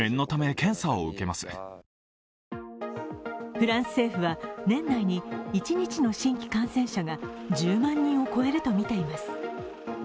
フランス政府は、年内に一日の新規感染者が１０万人を超えるとみています。